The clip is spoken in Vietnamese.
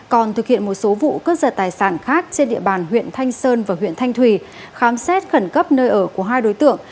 sản khác trên địa bàn huyện thanh sơn và huyện thanh thủy khám xét khẩn cấp nơi ở của hai đối tượng